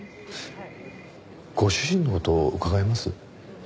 ご主人の事伺えます？